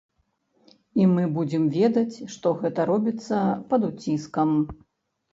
І мы будзем ведаць, што гэта робіцца пад уціскам.